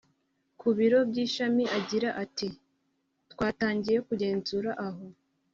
ku biro by ishami Agira ati twatangiye kugenzura aho